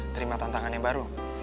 terima tantangannya baru